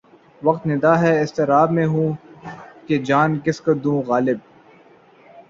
وقت نِدا ہے اضطراب میں ہوں کہ جان کس کو دوں غالب